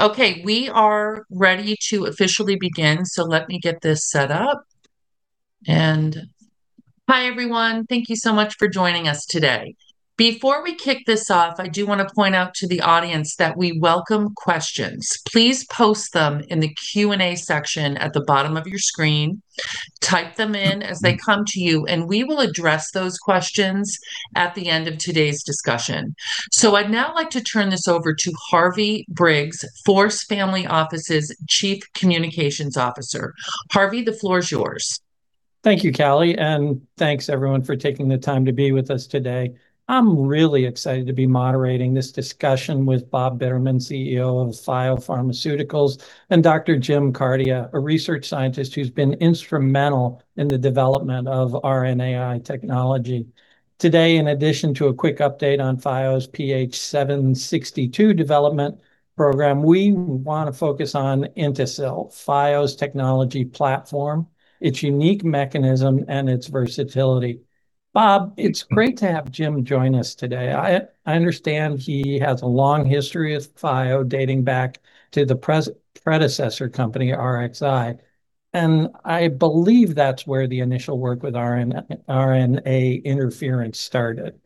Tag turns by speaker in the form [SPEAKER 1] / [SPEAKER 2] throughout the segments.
[SPEAKER 1] Hi, everyone. Thank you so much for joining us today. Before we kick this off, I do want to point out to the audience that we welcome questions. Please post them in the Q&A section at the bottom of your screen. Type them in as they come to you, and we will address those questions at the end of today's discussion. I'd now like to turn this over to Harvey Briggs, FORCE Family Office's Chief Communications Officer. Harvey, the floor is yours.
[SPEAKER 2] Thank you, Callie, thanks, everyone, for taking the time to be with us today. I'm really excited to be moderating this discussion with Bob Bitterman, CEO of Phio Pharmaceuticals, and Dr. Jim Cardia, a research scientist who's been instrumental in the development of RNAi technology. Today, in addition to a quick update on Phio's PH-762 development program, we want to focus on INTASYL, Phio's technology platform, its unique mechanism, and its versatility. Bob, it's great to have Jim join us today. I understand he has a long history with Phio, dating back to the predecessor company, RXi. I believe that's where the initial work with RNA interference started.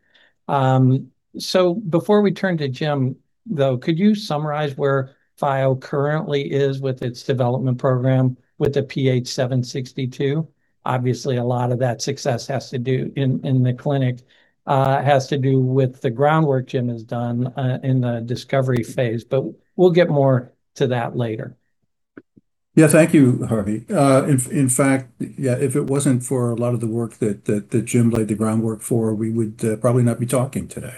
[SPEAKER 2] Before we turn to Jim, though, could you summarize where Phio currently is with its development program with the PH-762? Obviously, a lot of that success in the clinic has to do with the groundwork Jim has done in the discovery phase. We'll get more to that later.
[SPEAKER 3] Yeah. Thank you, Harvey. In fact, if it wasn't for a lot of the work that Jim laid the groundwork for, we would probably not be talking today.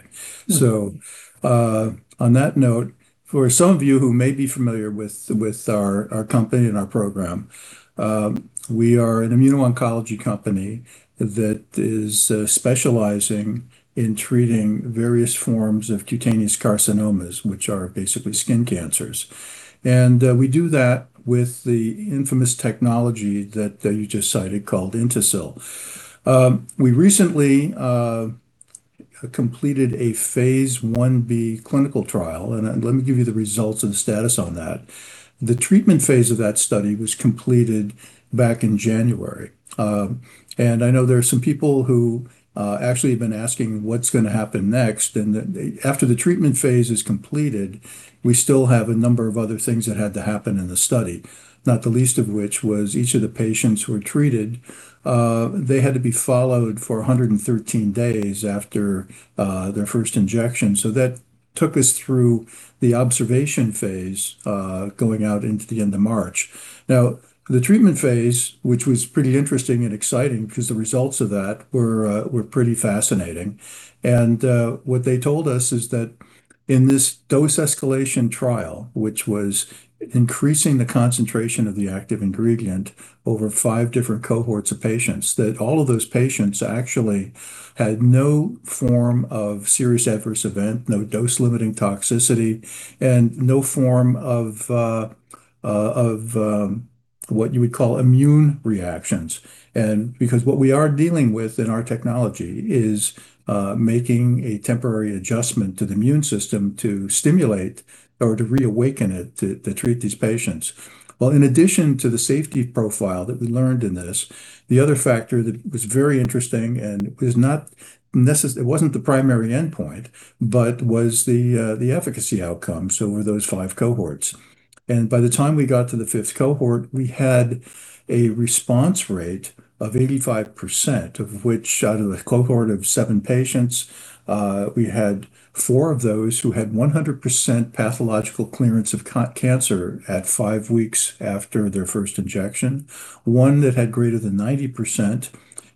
[SPEAKER 3] On that note, for some of you who may be familiar with our company and our program, we are an immuno-oncology company that is specializing in treating various forms of cutaneous carcinomas, which are basically skin cancers. We do that with the infamous technology that you just cited, called INTASYL. We recently completed a phase Ib clinical trial, let me give you the results and status on that. The treatment phase of that study was completed back in January. I know there are some people who actually have been asking what's going to happen next. After the treatment phase is completed, we still have a number of other things that had to happen in the study, not the least of which was each of the patients who were treated, they had to be followed for 113 days after their first injection. That took us through the observation phase, going out into the end of March. The treatment phase, which was pretty interesting and exciting, because the results of that were pretty fascinating. What they told us is that in this dose escalation trial, which was increasing the concentration of the active ingredient over five different cohorts of patients, that all of those patients actually had no form of serious adverse event, no dose-limiting toxicity, and no form of what you would call immune reactions. Because what we are dealing with in our technology is making a temporary adjustment to the immune system to stimulate or to reawaken it to treat these patients. Well, in addition to the safety profile that we learned in this, the other factor that was very interesting, it wasn't the primary endpoint, but was the efficacy outcome, were those five cohorts. By the time we got to the fifth cohort, we had a response rate of 85%, of which out of the cohort of seven patients, we had four of those who had 100% pathological clearance of cancer at five weeks after their first injection, one that had greater than 90%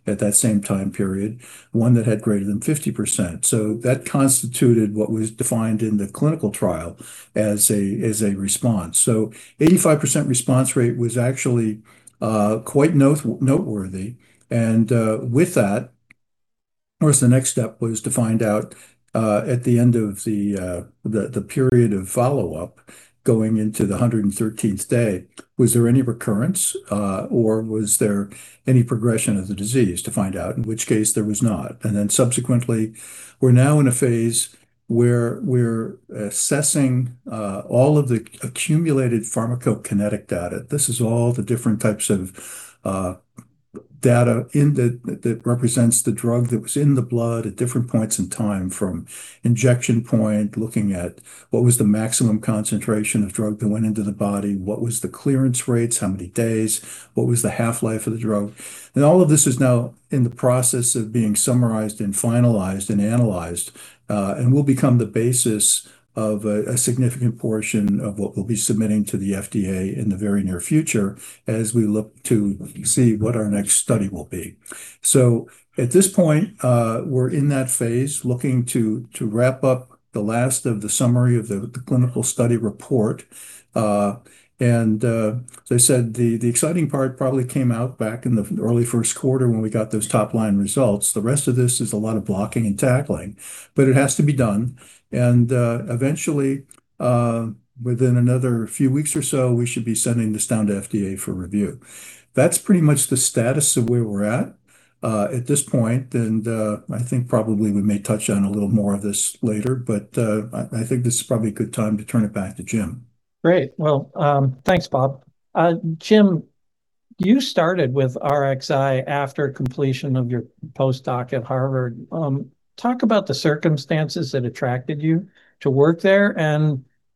[SPEAKER 3] at that same time period, one that had greater than 50%. That constituted what was defined in the clinical trial as a response. 85% response rate was actually quite noteworthy. With that, of course, the next step was to find out, at the end of the period of follow-up, going into the 113th day, was there any recurrence, or was there any progression of the disease, to find out, in which case there was not. Subsequently, we're now in a phase where we're assessing all of the accumulated pharmacokinetic data. This is all the different types of data that represents the drug that was in the blood at different points in time, from injection point, looking at what was the maximum concentration of drug that went into the body, what was the clearance rates, how many days, what was the half-life of the drug. All of this is now in the process of being summarized and finalized and analyzed, and will become the basis of a significant portion of what we'll be submitting to the FDA in the very near future, as we look to see what our next study will be. At this point, we're in that phase, looking to wrap up the last of the summary of the clinical study report. As I said, the exciting part probably came out back in the early first quarter when we got those top-line results. The rest of this is a lot of blocking and tackling, but it has to be done. Eventually, within another few weeks or so, we should be sending this down to the FDA for review. That's pretty much the status of where we're at this point. I think probably we may touch on a little more of this later, but, I think this is probably a good time to turn it back to Jim.
[SPEAKER 2] Great. Well, thanks, Bob. Jim, you started with RXi after completion of your postdoc at Harvard. Talk about the circumstances that attracted you to work there.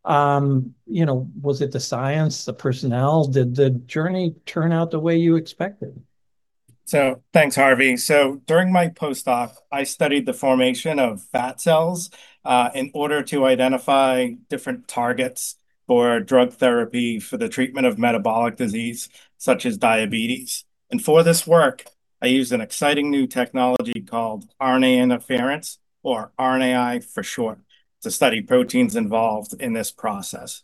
[SPEAKER 2] Was it the science, the personnel? Did the journey turn out the way you expected?
[SPEAKER 4] Thanks, Harvey. During my postdoc, I studied the formation of fat cells, in order to identify different targets for drug therapy for the treatment of metabolic disease, such as diabetes. For this work, I used an exciting new technology called RNA interference, or RNAi for short, to study proteins involved in this process.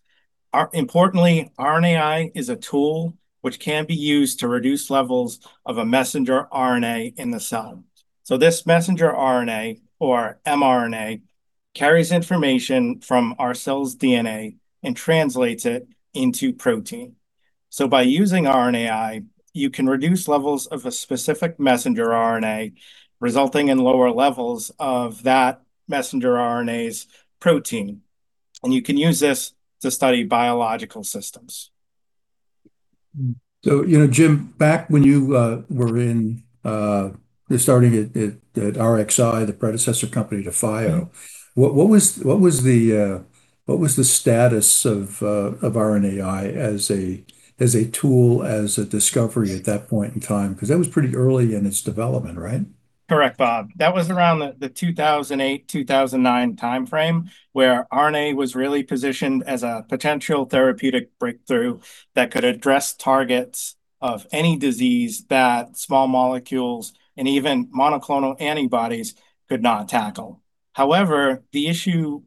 [SPEAKER 4] Importantly, RNAi is a tool which can be used to reduce levels of a messenger RNA in the cell. This messenger RNA, or mRNA, carries information from our cell's DNA and translates it into protein. By using RNAi, you can reduce levels of a specific messenger RNA, resulting in lower levels of that messenger RNA's protein. You can use this to study biological systems.
[SPEAKER 3] Jim, back when you were starting at RXi, the predecessor company to Phio, what was the status of RNAi as a tool, as a discovery at that point in time? Because that was pretty early in its development, right?
[SPEAKER 4] Correct, Bob. That was around the 2008, 2009 timeframe, where RNA was really positioned as a potential therapeutic breakthrough that could address targets of any disease that small molecules and even monoclonal antibodies could not tackle. However, the issue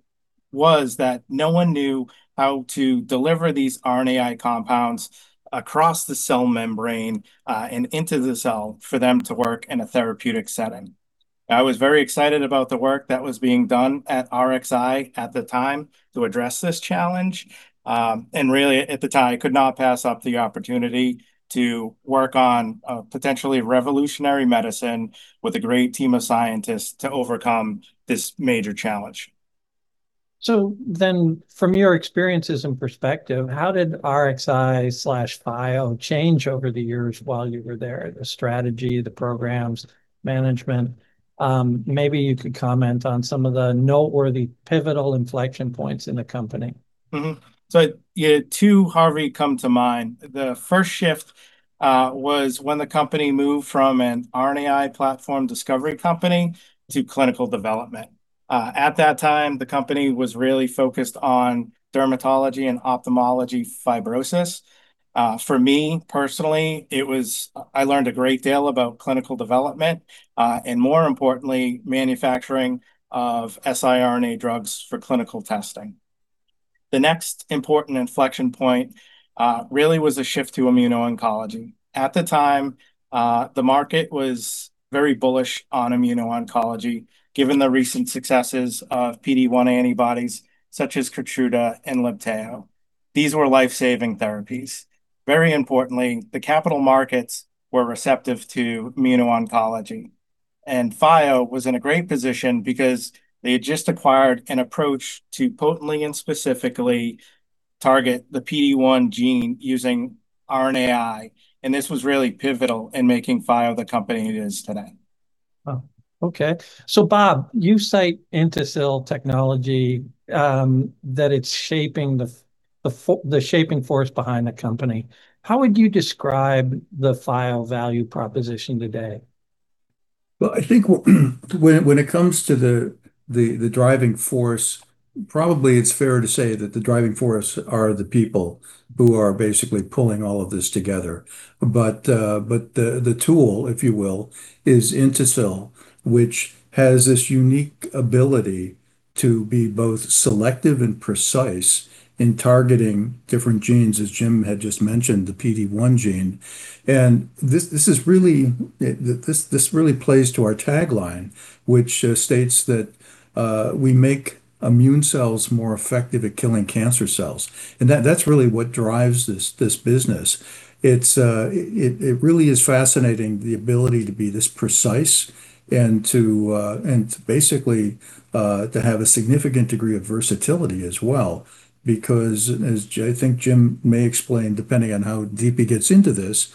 [SPEAKER 4] was that no one knew how to deliver these RNAi compounds across the cell membrane, and into the cell for them to work in a therapeutic setting. I was very excited about the work that was being done at RXi at the time to address this challenge. Really, at the time, I could not pass up the opportunity to work on a potentially revolutionary medicine with a great team of scientists to overcome this major challenge.
[SPEAKER 2] From your experiences and perspective, how did RXi/Phio change over the years while you were there, the strategy, the programs, management? Maybe you could comment on some of the noteworthy pivotal inflection points in the company.
[SPEAKER 4] Two, Harvey, come to mind. The first shift was when the company moved from an RNAi platform discovery company to clinical development. At that time, the company was really focused on dermatology and ophthalmology fibrosis. For me personally, I learned a great deal about clinical development, and more importantly, manufacturing of siRNA drugs for clinical testing. The next important inflection point really was a shift to immuno-oncology. At the time, the market was very bullish on immuno-oncology, given the recent successes of PD-1 antibodies such as KEYTRUDA and LIBTAYO. These were life-saving therapies. Very importantly, the capital markets were receptive to immuno-oncology, and Phio was in a great position because they had just acquired an approach to potently and specifically target the PD-1 gene using RNAi, and this was really pivotal in making Phio the company it is today.
[SPEAKER 2] Bob, you cite INTASYL technology, that it's the shaping force behind the company. How would you describe the Phio value proposition today?
[SPEAKER 3] I think when it comes to the driving force, probably it's fair to say that the driving force are the people who are basically pulling all of this together. The tool, if you will, is INTASYL, which has this unique ability to be both selective and precise in targeting different genes, as Jim had just mentioned, the PD-1 gene. This really plays to our tagline, which states that we make immune cells more effective at killing cancer cells. That's really what drives this business. It really is fascinating, the ability to be this precise and to basically have a significant degree of versatility as well because, as I think Jim may explain, depending on how deep he gets into this,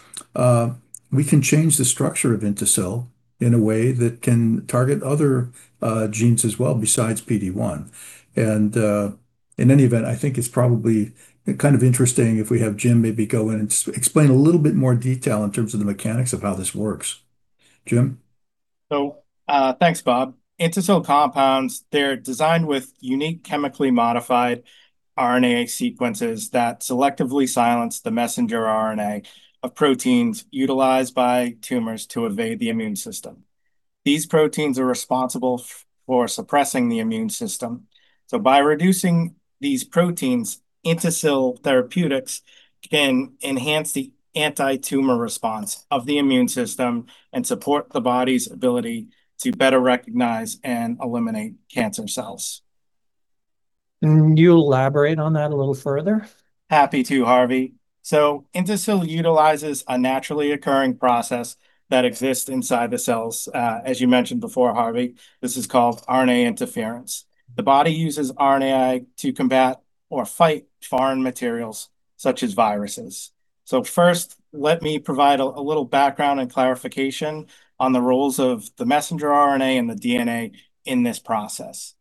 [SPEAKER 3] we can change the structure of INTASYL in a way that can target other genes as well besides PD-1. In any event, I think it's probably kind of interesting if we have Jim maybe go in and explain a little bit more detail in terms of the mechanics of how this works. Jim?
[SPEAKER 4] Thanks, Bob. INTASYL compounds, they're designed with unique chemically modified RNA sequences that selectively silence the messenger RNA of proteins utilized by tumors to evade the immune system. These proteins are responsible for suppressing the immune system. By reducing these proteins, INTASYL therapeutics can enhance the anti-tumor response of the immune system and support the body's ability to better recognize and eliminate cancer cells.
[SPEAKER 2] Can you elaborate on that a little further?
[SPEAKER 4] Happy to, Harvey. INTASYL utilizes a naturally occurring process that exists inside the cells, as you mentioned before, Harvey. This is called RNA interference. The body uses RNAi to combat or fight foreign materials such as viruses. First, let me provide a little background and clarification on the roles of the messenger RNA and the DNA in this process.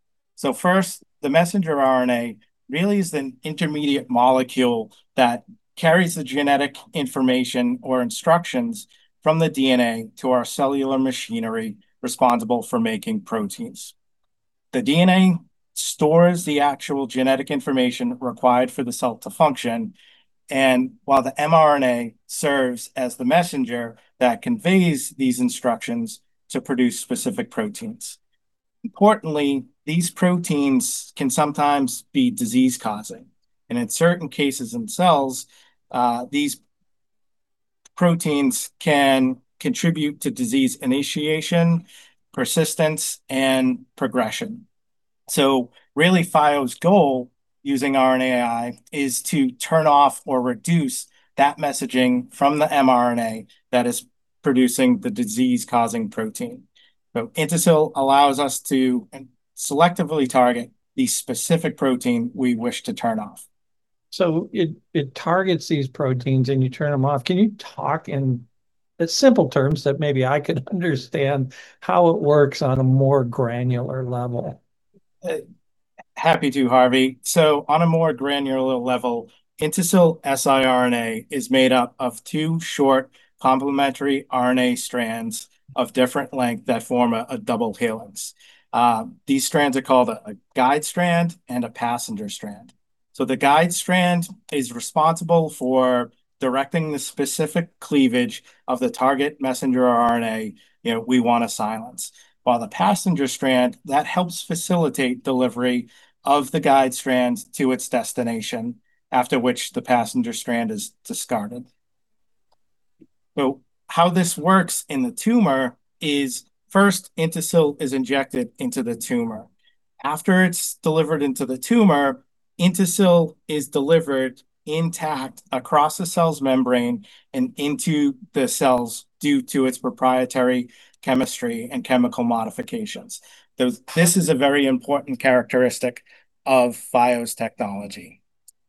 [SPEAKER 4] First, the messenger RNA really is an intermediate molecule that carries the genetic information or instructions from the DNA to our cellular machinery responsible for making proteins. The DNA stores the actual genetic information required for the cell to function, and while the mRNA serves as the messenger that conveys these instructions to produce specific proteins. Importantly, these proteins can sometimes be disease-causing, and in certain cases in cells, these proteins can contribute to disease initiation, persistence, and progression. Really, Phio's goal using RNAi is to turn off or reduce that messaging from the mRNA that is producing the disease-causing protein. INTASYL allows us to selectively target the specific protein we wish to turn off.
[SPEAKER 2] It targets these proteins, and you turn them off. Can you talk in simple terms that maybe I could understand how it works on a more granular level?
[SPEAKER 4] Happy to, Harvey. On a more granular level, INTASYL siRNA is made up of two short complementary RNA strands of different length that form a double helix. These strands are called a guide strand and a passenger strand. The guide strand is responsible for directing the specific cleavage of the target messenger RNA we want to silence, while the passenger strand, that helps facilitate delivery of the guide strand to its destination, after which the passenger strand is discarded. How this works in the tumor is first INTASYL is injected into the tumor. After it's delivered into the tumor, INTASYL is delivered intact across the cell's membrane and into the cells due to its proprietary chemistry and chemical modifications. This is a very important characteristic of Phio's technology.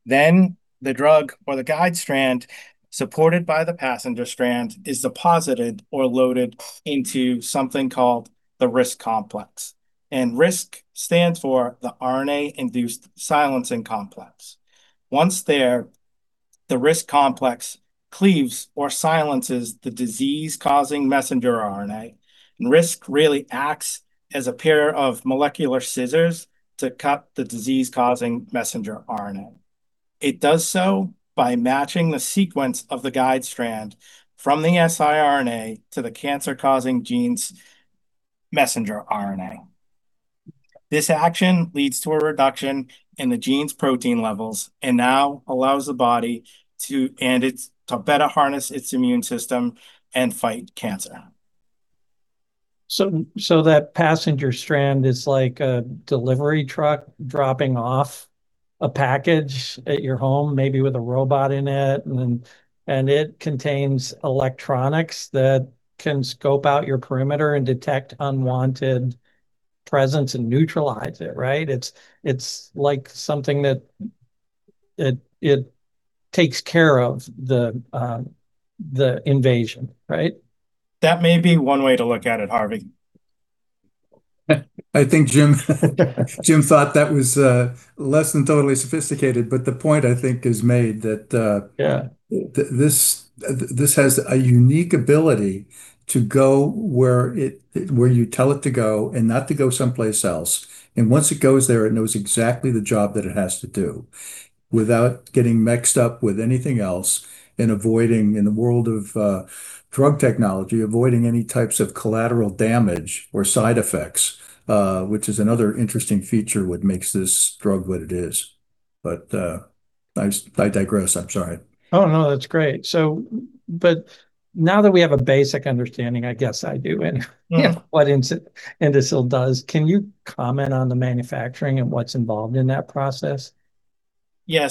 [SPEAKER 4] The drug or the guide strand, supported by the passenger strand, is deposited or loaded into something called the RISC complex, and RISC stands for the RNA-induced silencing complex. Once there, the RISC complex cleaves or silences the disease-causing messenger RNA, and RISC really acts as a pair of molecular scissors to cut the disease-causing messenger RNA. It does so by matching the sequence of the guide strand from the siRNA to the cancer-causing gene's messenger RNA. This action leads to a reduction in the gene's protein levels and now allows the body to better harness its immune system and fight cancer.
[SPEAKER 2] That passenger strand is like a delivery truck dropping off a package at your home, maybe with a robot in it, and it contains electronics that can scope out your perimeter and detect unwanted presence and neutralize it, right? It's like something that it takes care of the invasion, right?
[SPEAKER 4] That may be one way to look at it, Harvey.
[SPEAKER 3] I think Jim thought that was less than totally sophisticated, but the point, I think, is made that.
[SPEAKER 4] Yeah.
[SPEAKER 3] This has a unique ability to go where you tell it to go and not to go someplace else, and once it goes there, it knows exactly the job that it has to do without getting mixed up with anything else, and, in the world of drug technology, avoiding any types of collateral damage or side effects, which is another interesting feature what makes this drug what it is. I digress, I'm sorry.
[SPEAKER 2] No, that's great. Now that we have a basic understanding, I guess I do anyway. What INTASYL does, can you comment on the manufacturing and what's involved in that process?
[SPEAKER 4] Yeah.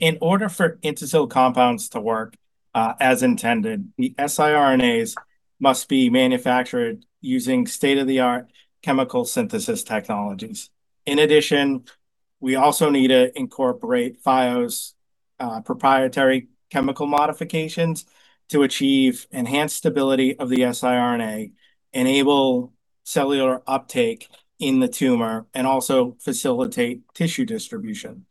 [SPEAKER 4] In order for INTASYL compounds to work as intended, the siRNAs must be manufactured using state-of-the-art chemical synthesis technologies. In addition, we also need to incorporate Phio's proprietary chemical modifications to achieve enhanced stability of the siRNA, enable cellular uptake in the tumor, and also facilitate tissue distribution.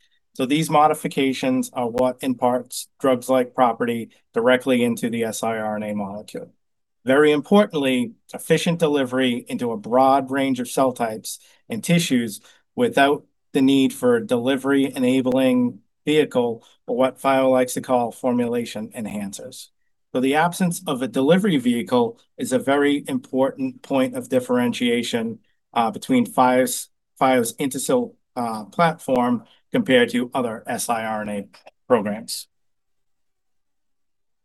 [SPEAKER 4] These modifications are what imparts drug-like property directly into the siRNA molecule. Very importantly, efficient delivery into a broad range of cell types and tissues without the need for a delivery-enabling vehicle, or what Phio likes to call formulation enhancers. The absence of a delivery vehicle is a very important point of differentiation between Phio's INTASYL platform compared to other siRNA programs.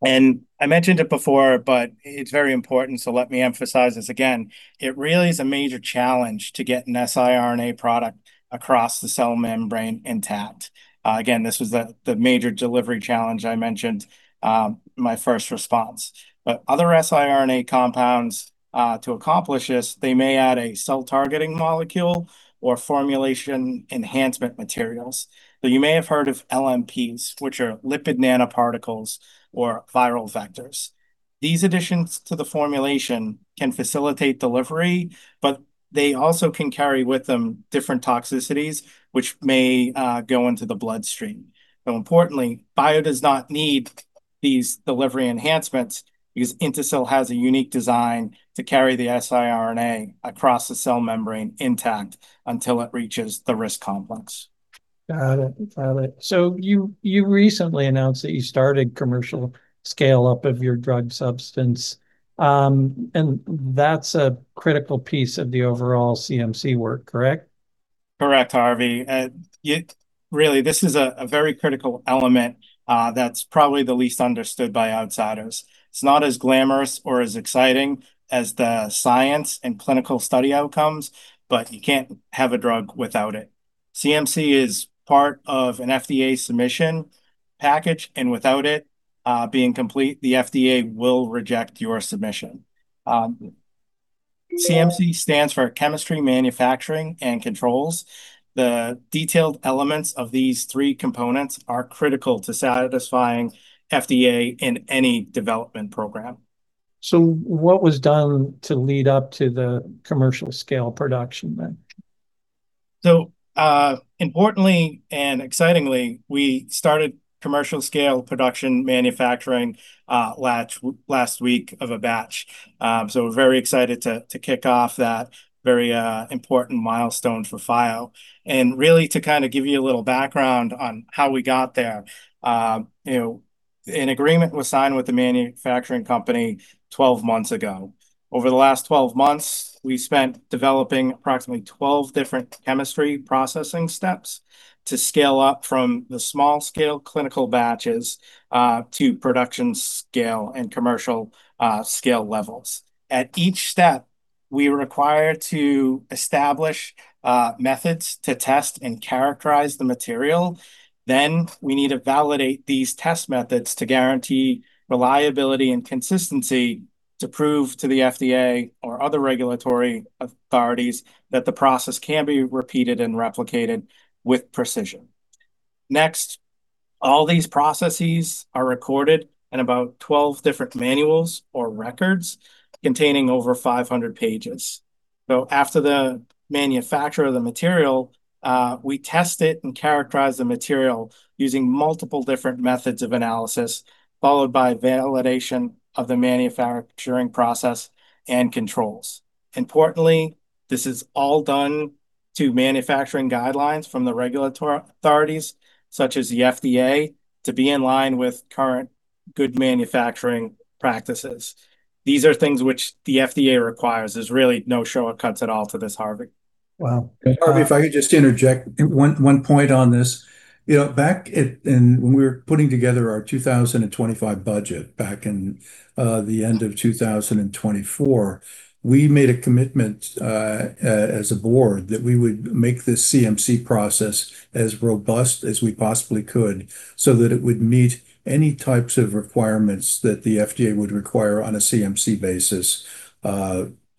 [SPEAKER 4] I mentioned it before, but it's very important, let me emphasize this again. It really is a major challenge to get an siRNA product across the cell membrane intact. Again, this was the major delivery challenge I mentioned in my first response. Other siRNA compounds, to accomplish this, they may add a cell-targeting molecule or formulation enhancement materials. You may have heard of LNPs, which are lipid nanoparticles or viral vectors. These additions to the formulation can facilitate delivery, but they also can carry with them different toxicities, which may go into the bloodstream. Importantly, Phio does not need these delivery enhancements because INTASYL has a unique design to carry the siRNA across the cell membrane intact until it reaches the RISC complex.
[SPEAKER 2] Got it. You recently announced that you started commercial scale-up of your drug substance, and that's a critical piece of the overall CMC work, correct?
[SPEAKER 4] Correct, Harvey. Really, this is a very critical element that's probably the least understood by outsiders. It's not as glamorous or as exciting as the science and clinical study outcomes, but you can't have a drug without it. CMC is part of an FDA submission package, and without it being complete, the FDA will reject your submission. CMC stands for Chemistry, Manufacturing, and Controls. The detailed elements of these three components are critical to satisfying FDA in any development program.
[SPEAKER 2] What was done to lead up to the commercial scale production then?
[SPEAKER 4] Importantly and excitingly, we started commercial scale production manufacturing last week of a batch. We're very excited to kick off that very important milestone for Phio. Really to give you a little background on how we got there. An agreement was signed with the manufacturing company 12 months ago. Over the last 12 months, we spent developing approximately 12 different chemistry processing steps to scale up from the small-scale clinical batches, to production scale and commercial scale levels. At each step, we were required to establish methods to test and characterize the material. We need to validate these test methods to guarantee reliability and consistency to prove to the FDA or other regulatory authorities that the process can be repeated and replicated with precision. All these processes are recorded in about 12 different manuals or records containing over 500 pages. After the manufacture of the material, we test it and characterize the material using multiple different methods of analysis, followed by validation of the manufacturing process and controls. Importantly, this is all done to manufacturing guidelines from the regulatory authorities, such as the FDA, to be in line with Current Good Manufacturing Practices. These are things which the FDA requires. There's really no shortcuts at all to this, Harvey.
[SPEAKER 2] Wow.
[SPEAKER 3] Harvey, if I could just interject one point on this. Back when we were putting together our 2025 budget back in the end of 2024, we made a commitment, as a board, that we would make this CMC process as robust as we possibly could so that it would meet any types of requirements that the FDA would require on a CMC basis,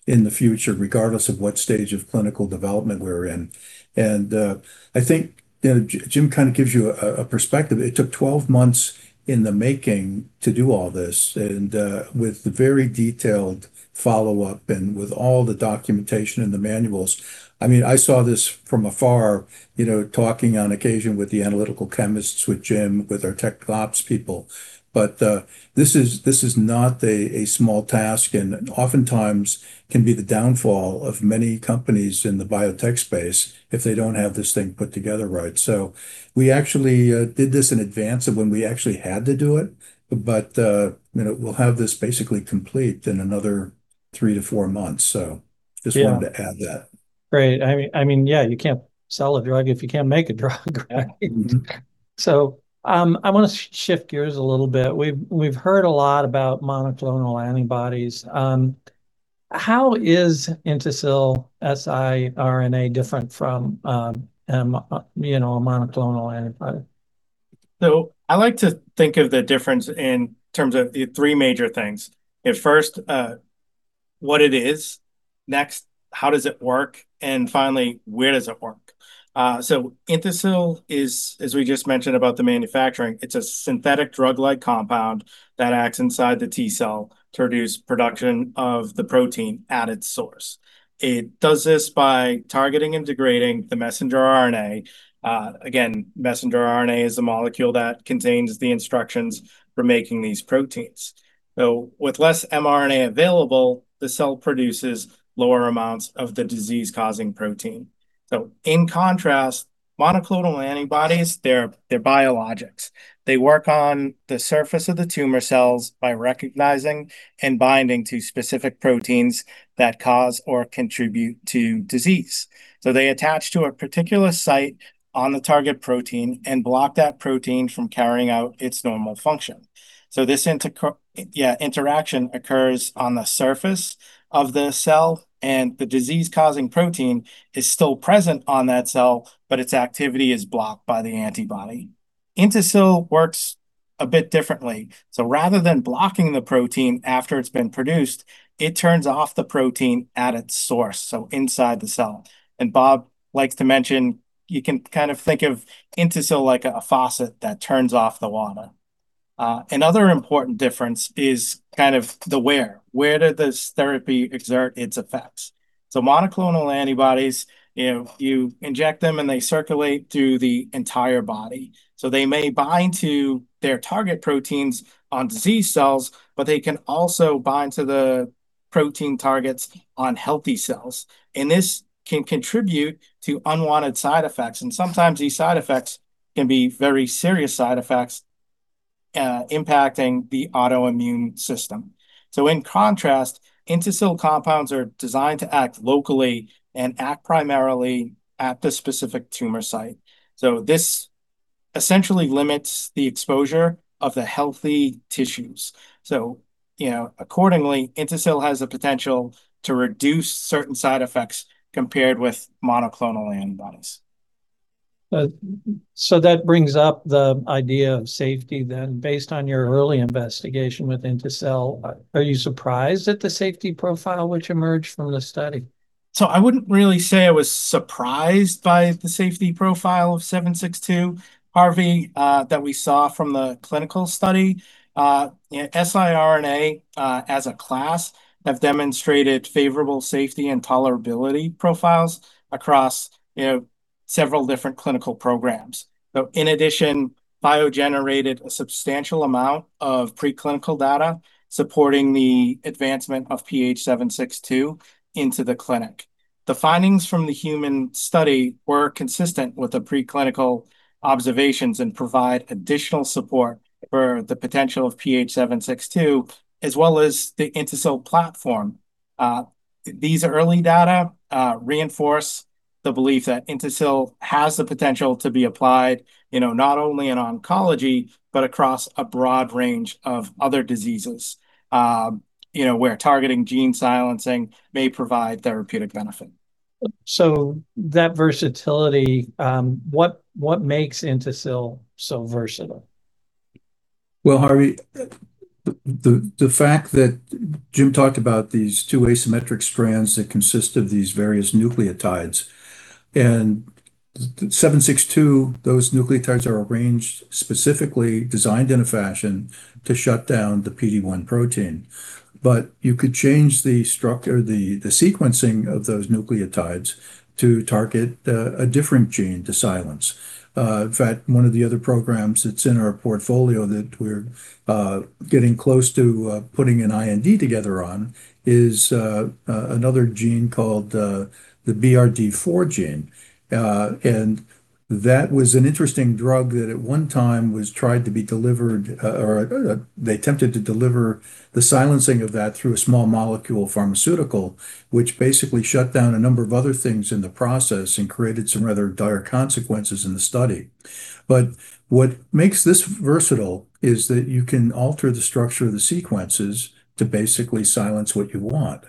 [SPEAKER 3] in the future, regardless of what stage of clinical development we're in. I think Jim gives you a perspective. It took 12 months in the making to do all this and with very detailed follow-up and with all the documentation and the manuals. I saw this from afar, talking on occasion with the analytical chemists, with Jim, with our tech ops people. This is not a small task and oftentimes can be the downfall of many companies in the biotech space if they don't have this thing put together right. We actually did this in advance of when we actually had to do it. We'll have this basically complete in another three to four months. Just wanted to add that.
[SPEAKER 2] Great. You can't sell a drug if you can't make a drug, right? I want to shift gears a little bit. We've heard a lot about monoclonal antibodies. How is INTASYL siRNA different from a monoclonal antibody?
[SPEAKER 4] I like to think of the difference in terms of three major things. At first, what it is. Next, how does it work? Finally, where does it work? INTASYL is, as we just mentioned about the manufacturing, it's a synthetic drug-like compound that acts inside the T cell to reduce production of the protein at its source. It does this by targeting and degrading the messenger RNA. Again, messenger RNA is a molecule that contains the instructions for making these proteins. With less mRNA available, the cell produces lower amounts of the disease-causing protein. In contrast, monoclonal antibodies, they're biologics. They work on the surface of the tumor cells by recognizing and binding to specific proteins that cause or contribute to disease. They attach to a particular site on the target protein and block that protein from carrying out its normal function. This interaction occurs on the surface of the cell, the disease-causing protein is still present on that cell, its activity is blocked by the antibody. INTASYL works a bit differently. Rather than blocking the protein after it's been produced, it turns off the protein at its source, inside the cell. Bob likes to mention, you can think of INTASYL like a faucet that turns off the water. Another important difference is the where. Where did this therapy exert its effects? Monoclonal antibodies, you inject them, and they circulate through the entire body. They may bind to their target proteins on disease cells, but they can also bind to the protein targets on healthy cells. This can contribute to unwanted side effects, and sometimes these side effects can be very serious side effects, impacting the autoimmune system. In contrast, INTASYL compounds are designed to act locally and act primarily at the specific tumor site. This essentially limits the exposure of the healthy tissues. Accordingly, INTASYL has the potential to reduce certain side effects compared with monoclonal antibodies.
[SPEAKER 2] That brings up the idea of safety then. Based on your early investigation with INTASYL, are you surprised at the safety profile which emerged from the study?
[SPEAKER 4] I wouldn't really say I was surprised by the safety profile of 762, Harvey, that we saw from the clinical study. siRNA, as a class, have demonstrated favorable safety and tolerability profiles across several different clinical programs. In addition, Phio generated a substantial amount of preclinical data supporting the advancement of PH-762 into the clinic. The findings from the human study were consistent with the preclinical observations and provide additional support for the potential of PH-762, as well as the INTASYL platform. These early data reinforce the belief that INTASYL has the potential to be applied, not only in oncology, but across a broad range of other diseases, where targeting gene silencing may provide therapeutic benefit.
[SPEAKER 2] That versatility, what makes INTASYL so versatile?
[SPEAKER 3] Well, Harvey, the fact that Jim talked about these two asymmetric strands that consist of these various nucleotides, and 762, those nucleotides are arranged, specifically designed in a fashion to shut down the PD-1 protein. You could change the sequencing of those nucleotides to target a different gene to silence. In fact, one of the other programs that's in our portfolio that we're getting close to putting an IND together on is another gene called the BRD4 gene. That was an interesting drug that at one time was tried to be delivered, or they attempted to deliver the silencing of that through a small molecule pharmaceutical, which basically shut down a number of other things in the process and created some rather dire consequences in the study. What makes this versatile is that you can alter the structure of the sequences to basically silence what you want.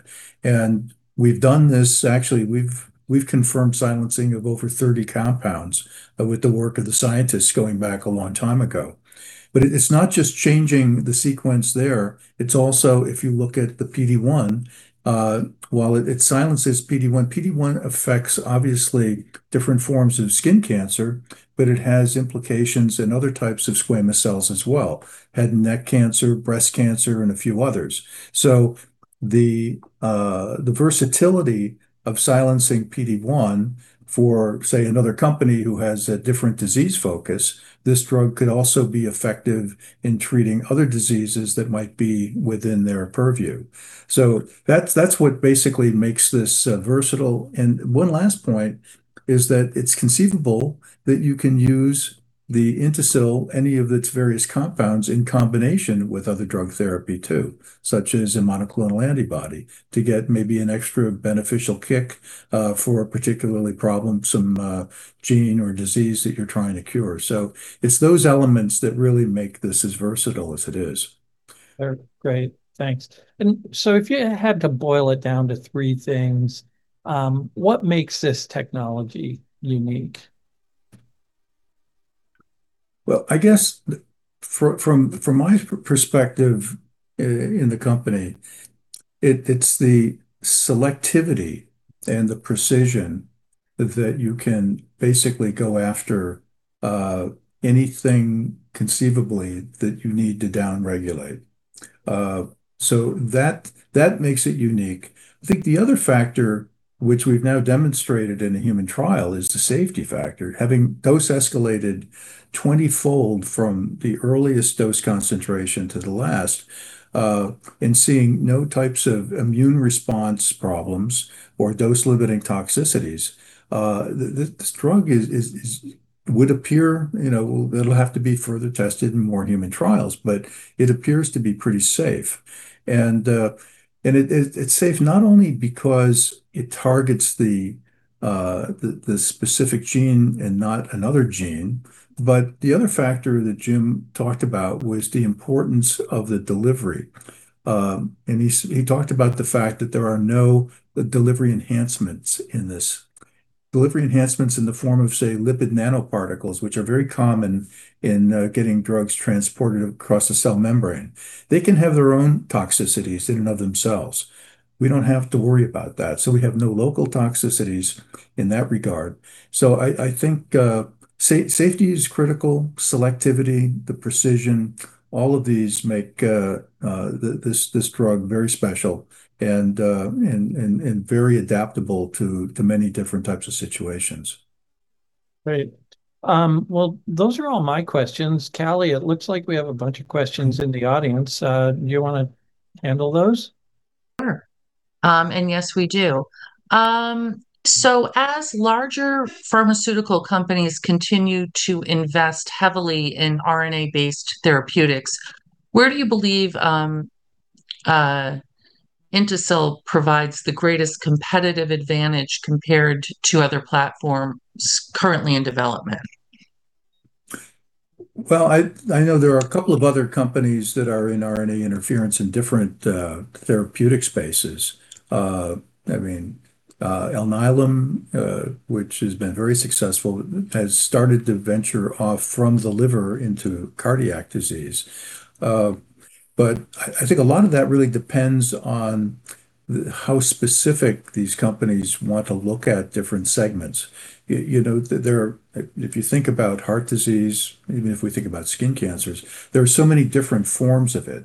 [SPEAKER 3] We've done this, actually, we've confirmed silencing of over 30 compounds with the work of the scientists going back a long time ago. It's not just changing the sequence there, it's also, if you look at the PD-1, while it silences PD-1, PD-1 affects obviously different forms of skin cancer, but it has implications in other types of squamous cells as well, head and neck cancer, breast cancer, and a few others. The versatility of silencing PD-1 for, say, another company who has a different disease focus, this drug could also be effective in treating other diseases that might be within their purview. That's what basically makes this versatile. One last point is that it's conceivable that you can use the INTASYL, any of its various compounds, in combination with other drug therapy too, such as a monoclonal antibody, to get maybe an extra beneficial kick, for a particularly troublesome gene or disease that you're trying to cure. It's those elements that really make this as versatile as it is.
[SPEAKER 2] Great, thanks. If you had to boil it down to three things, what makes this technology unique?
[SPEAKER 3] Well, I guess from my perspective in the company, it's the selectivity and the precision that you can basically go after anything conceivably that you need to downregulate. That makes it unique. I think the other factor, which we've now demonstrated in a human trial, is the safety factor. Having dose escalated 20-fold from the earliest dose concentration to the last, and seeing no types of immune response problems or dose-limiting toxicities. This drug, it'll have to be further tested in more human trials, but it appears to be pretty safe. It's safe not only because it targets the specific gene and not another gene, but the other factor that Jim talked about was the importance of the delivery. He talked about the fact that there are no delivery enhancements in this. Delivery enhancements in the form of, say, lipid nanoparticles, which are very common in getting drugs transported across the cell membrane. They can have their own toxicities in and of themselves. We don't have to worry about that, so we have no local toxicities in that regard. I think safety is critical. Selectivity, the precision, all of these make this drug very special and very adaptable to many different types of situations.
[SPEAKER 2] Great. Well, those are all my questions. Callie, it looks like we have a bunch of questions in the audience. Do you want to handle those?
[SPEAKER 1] Sure. Yes, we do. As larger pharmaceutical companies continue to invest heavily in RNA-based therapeutics, where do you believe INTASYL provides the greatest competitive advantage compared to other platforms currently in development?
[SPEAKER 3] Well, I know there are a couple of other companies that are in RNA interference in different therapeutic spaces. I mean, Alnylam, which has been very successful, has started to venture off from the liver into cardiac disease. I think a lot of that really depends on how specific these companies want to look at different segments. If you think about heart disease, even if we think about skin cancers, there are so many different forms of it,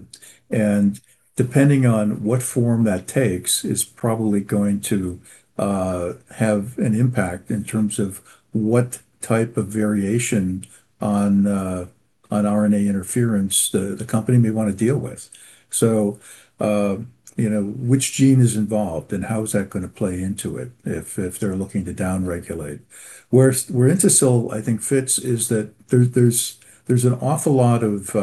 [SPEAKER 3] and depending on what form that takes is probably going to have an impact in terms of what type of variation on RNA interference the company may want to deal with. Which gene is involved, and how is that going to play into it if they're looking to down-regulate? Where INTASYL, I think fits, is that there's an awful lot of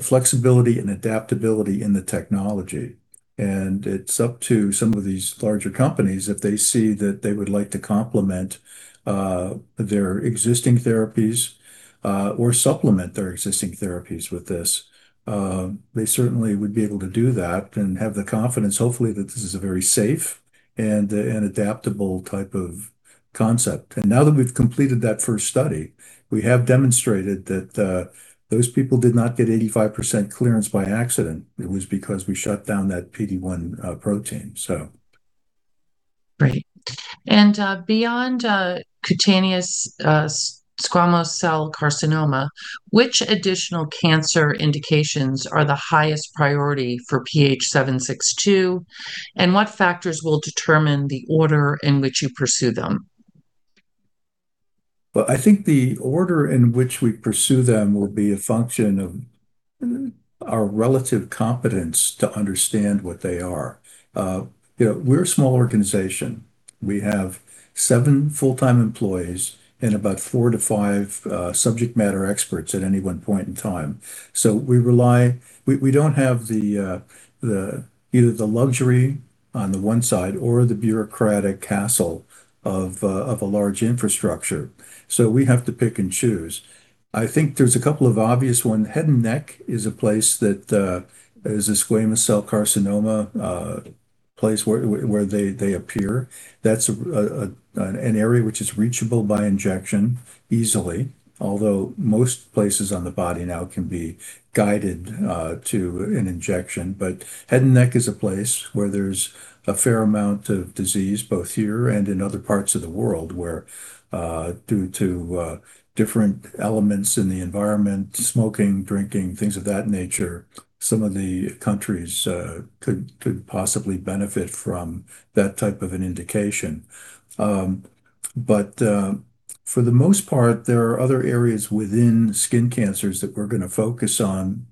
[SPEAKER 3] flexibility and adaptability in the technology, and it's up to some of these larger companies if they see that they would like to complement their existing therapies, or supplement their existing therapies with this. They certainly would be able to do that and have the confidence, hopefully, that this is a very safe and adaptable type of concept. Now that we've completed that first study, we have demonstrated that those people did not get 85% clearance by accident. It was because we shut down that PD-1 protein.
[SPEAKER 1] Great. Beyond cutaneous squamous cell carcinoma, which additional cancer indications are the highest priority for PH-762, and what factors will determine the order in which you pursue them?
[SPEAKER 3] Well, I think the order in which we pursue them will be a function of our relative competence to understand what they are. We're a small organization. We have seven full-time employees and about four to five subject matter experts at any one point in time. We don't have either the luxury on the one side or the bureaucratic castle of a large infrastructure, so we have to pick and choose. I think there's a couple of obvious one. Head and neck is a place that is a squamous cell carcinoma, a place where they appear. That's an area which is reachable by injection easily, although most places on the body now can be guided to an injection. Head and neck is a place where there's a fair amount of disease, both here and in other parts of the world, where, due to different elements in the environment, smoking, drinking, things of that nature, some of the countries could possibly benefit from that type of an indication. For the most part, there are other areas within skin cancers that we're going to focus on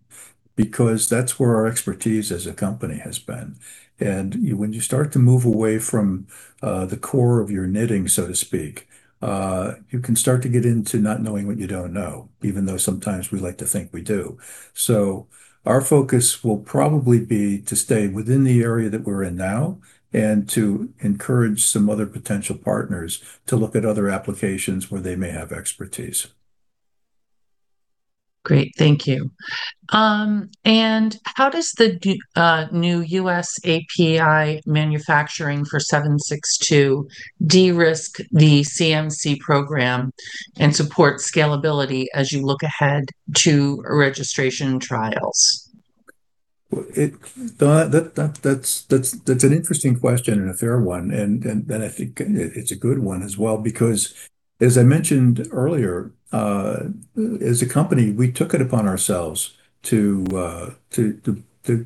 [SPEAKER 3] because that's where our expertise as a company has been. When you start to move away from the core of your knitting, so to speak, you can start to get into not knowing what you don't know, even though sometimes we like to think we do. Our focus will probably be to stay within the area that we're in now and to encourage some other potential partners to look at other applications where they may have expertise.
[SPEAKER 1] Great. Thank you. How does the new U.S. API manufacturing for 762 de-risk the CMC program and support scalability as you look ahead to registration trials?
[SPEAKER 3] That's an interesting question and a fair one. I think it's a good one as well because, as I mentioned earlier, as a company, we took it upon ourselves to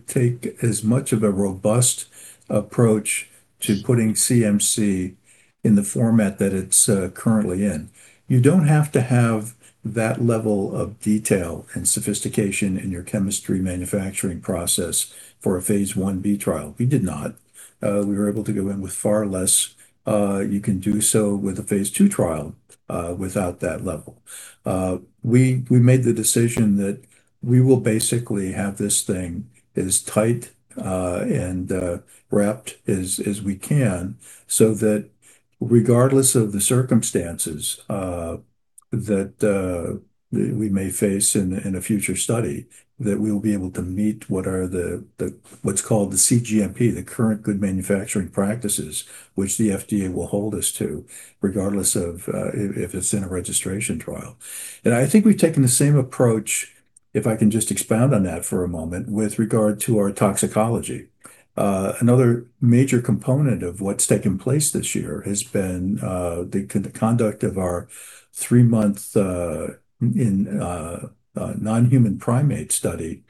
[SPEAKER 3] take as much of a robust approach to putting CMC in the format that it's currently in. You don't have to have that level of detail and sophistication in your chemistry manufacturing process for a phase Ib trial. We did not. We were able to go in with far less. You can do so with a phase II trial without that level. We made the decision that we will basically have this thing as tight and wrapped as we can so that regardless of the circumstances that we may face in a future study, that we will be able to meet what's called the cGMP, the Current Good Manufacturing Practices, which the FDA will hold us to, regardless of if it's in a registration trial. I think we've taken the same approach, if I can just expound on that for a moment, with regard to our toxicology. Another major component of what's taken place this year has been the conduct of our three-month non-human primate study.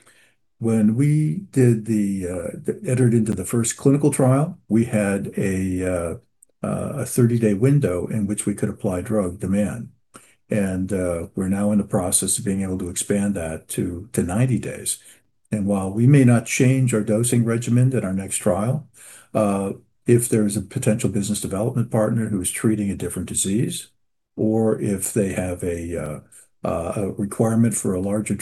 [SPEAKER 3] When we entered into the first clinical trial, we had a 30-day window in which we could apply drug demand. We're now in the process of being able to expand that to 90 days. While we may not change our dosing regimen at our next trial, if there is a potential business development partner who is treating a different disease. Or if they have a requirement for a longer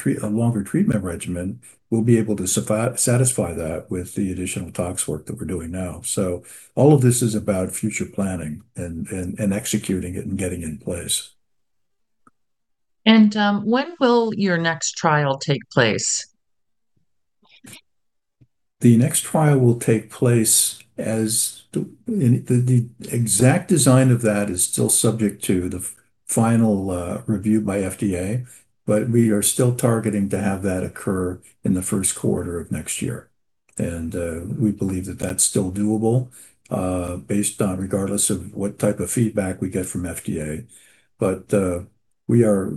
[SPEAKER 3] treatment regimen, we will be able to satisfy that with the additional tox work that we are doing now. All of this is about future planning and executing it and getting it in place.
[SPEAKER 1] When will your next trial take place?
[SPEAKER 3] The exact design of that is still subject to the final review by FDA. But we are still targeting to have that occur in the first quarter of next year. We believe that that is still doable, based on regardless of what type of feedback we get from FDA. We are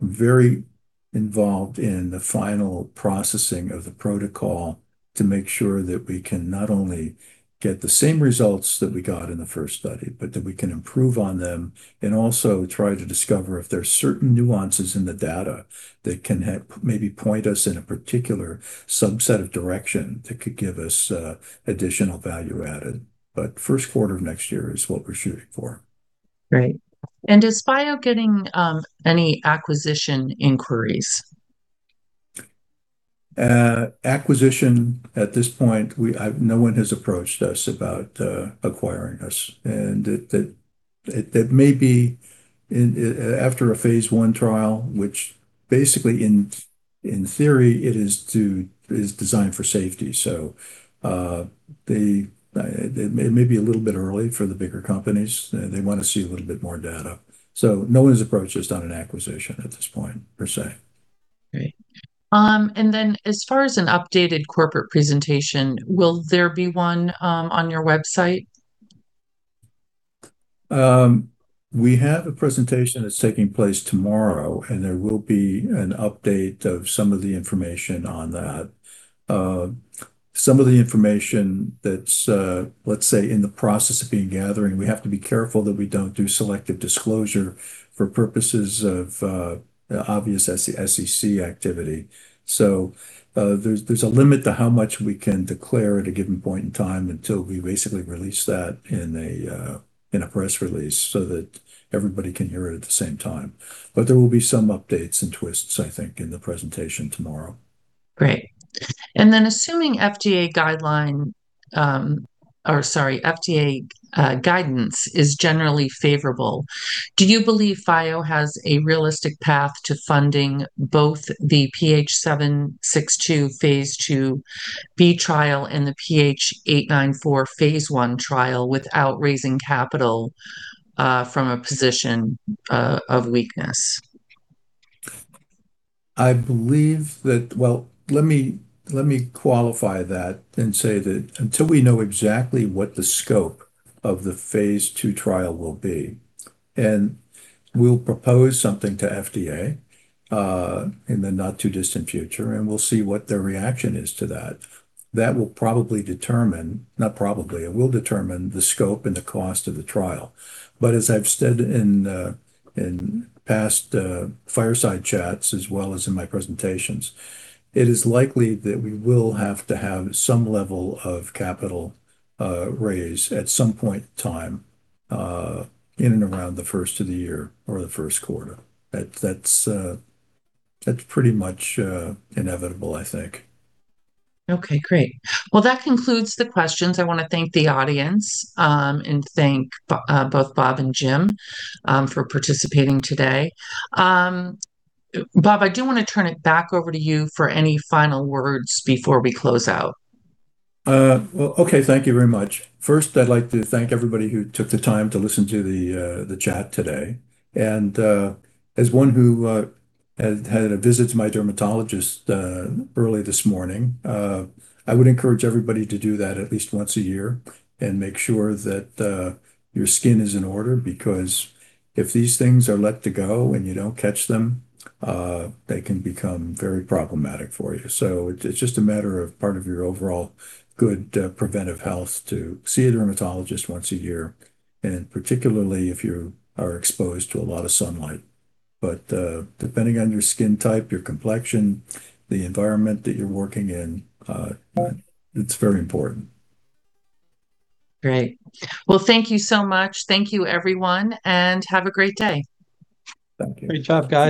[SPEAKER 3] very involved in the final processing of the protocol to make sure that we can not only get the same results that we got in the first study, but that we can improve on them and also try to discover if there are certain nuances in the data that can maybe point us in a particular subset of direction that could give us additional value added. First quarter of next year is what we are shooting for.
[SPEAKER 1] Great. Is Phio getting any acquisition inquiries?
[SPEAKER 3] Acquisition, at this point, no one has approached us about acquiring us. That may be after a phase I trial, which basically in theory, it is designed for safety. It may be a little bit early for the bigger companies. They want to see a little bit more data. No one's approached us on an acquisition at this point per se.
[SPEAKER 1] Great. As far as an updated corporate presentation, will there be one on your website?
[SPEAKER 3] We have a presentation that's taking place tomorrow, there will be an update of some of the information on that. Some of the information that's, let's say, in the process of being gathered, we have to be careful that we don't do selective disclosure for purposes of obvious SEC activity. There's a limit to how much we can declare at a given point in time until we basically release that in a press release so that everybody can hear it at the same time. There will be some updates and twists, I think, in the presentation tomorrow.
[SPEAKER 1] Great. Assuming FDA guideline, or sorry, FDA guidance is generally favorable, do you believe Phio has a realistic path to funding both the PH-762 phase IIb trial and the PH-894 phase I trial without raising capital from a position of weakness?
[SPEAKER 3] Well, let me qualify that and say that until we know exactly what the scope of the phase II trial will be, and we'll propose something to FDA in the not-too-distant future, and we'll see what their reaction is to that. That will probably determine, not probably, it will determine the scope and the cost of the trial. As I've said in past fireside chats as well as in my presentations, it is likely that we will have to have some level of capital raise at some point in time in and around the first of the year or the first quarter. That's pretty much inevitable, I think.
[SPEAKER 1] Okay, great. Well, that concludes the questions. I want to thank the audience, and thank both Bob and Jim for participating today. Bob, I do want to turn it back over to you for any final words before we close out.
[SPEAKER 3] Well, okay. Thank you very much. First, I'd like to thank everybody who took the time to listen to the chat today. As one who had a visit to my dermatologist early this morning, I would encourage everybody to do that at least once a year and make sure that your skin is in order, because if these things are left to go and you don't catch them, they can become very problematic for you. It's just a matter of part of your overall good preventive health to see a dermatologist once a year, and particularly if you are exposed to a lot of sunlight. Depending on your skin type, your complexion, the environment that you're working in, it's very important.
[SPEAKER 1] Great. Well, thank you so much. Thank you everyone, and have a great day.
[SPEAKER 2] Great job, guys.